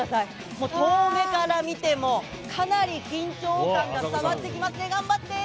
もう遠目から見てもかなり緊張感が伝わってきますね、頑張って。